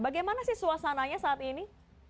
bagaimana sih suasananya saat ini